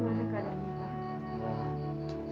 bagaimana keadaanmu pak